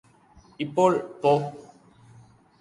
ഇപ്പോൾ പോ